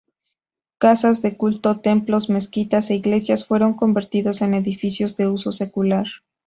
Casas de culto, templos, mezquitas e iglesias fueron convertidos en edificios de uso secular.